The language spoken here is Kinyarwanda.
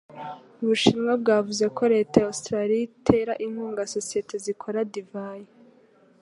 U Bushinwa bwavuze ko Leta ya Australia itera inkunga sosiyete zikora divayi